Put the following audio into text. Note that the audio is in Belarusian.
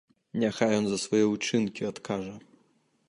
Няхай ён за свае ўчынкі адкажа!